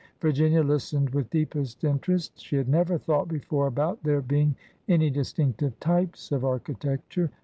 Virginia listened with deepest interest. She had never thought before about there being any distinctive types of architecture.